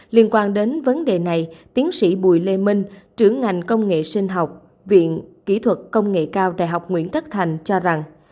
liên quan đến vấn đề này tiến sĩ bùi lê minh trưởng ngành công nghệ sinh học viện kỹ thuật công nghệ cao đại học nguyễn thất thành cho rằng